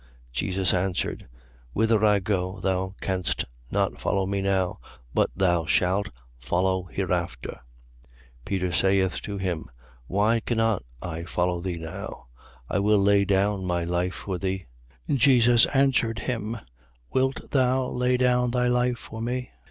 Jesus answered: Whither I go, thou canst not follow me now: but thou shalt follow hereafter. 13:37. Peter saith to him: Why cannot I follow thee now? I will lay down my life for thee. 13:38. Jesus answered him: Wilt thou lay down thy life for me?